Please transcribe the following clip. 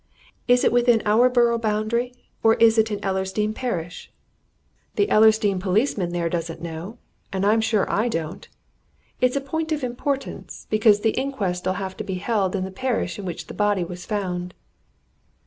Is it within our borough boundary, or is it in Ellersdeane parish? The Ellersdeane policeman there doesn't know, and I'm sure I don't! It's a point of importance, because the inquest'll have to be held in the parish in which the body was found."